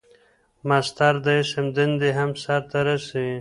مصدر د اسم دندې هم سر ته رسوي.